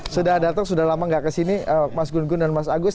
sudah datang sudah lama nggak kesini mas gun gun dan mas agus